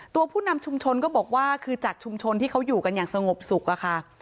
ผู้นำชุมชนก็บอกว่าคือจากชุมชนที่เขาอยู่กันอย่างสงบสุขอะค่ะ